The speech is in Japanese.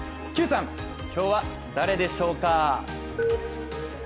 Ｑさん、今日は誰でしょうか？